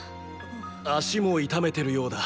足も痛めてるようだ。